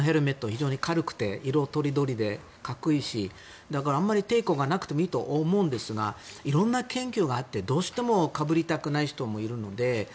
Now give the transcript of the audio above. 非常に軽くて色とりどりでかっこいいしだから、あまり抵抗がなくていいと思うんですが色んな抵抗があってどうしてもかぶりたくない人もいるので。